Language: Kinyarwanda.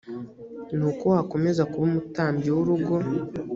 ni uko wakomeza kuba umutambyi w urugo